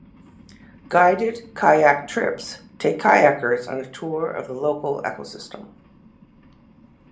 Guided kayak trips take kayakers on a tour of the local ecosystem.